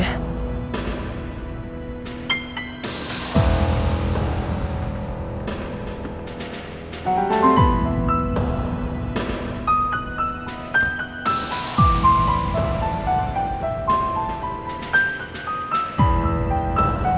baguslah mobil alde udah pergi